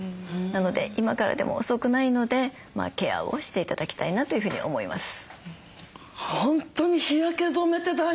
なので今からでも遅くないのでケアをして頂きたいなというふうに思います。